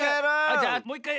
じゃあもういっかい。